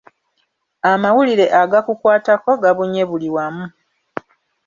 Amawulire agakukwatako gabunye buli wamu.